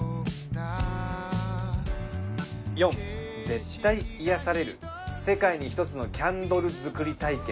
「４絶対癒やされる世界に一つのキャンドル作り体験」